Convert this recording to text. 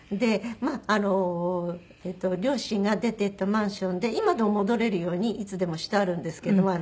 まああの両親が出ていったマンションで今でも戻れるようにいつでもしてあるんですけど。